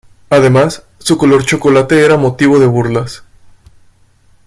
Además, su color chocolate era motivo de burlas.